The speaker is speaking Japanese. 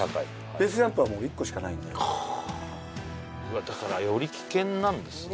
ベースジャンプは１個しかないんでだからより危険なんですね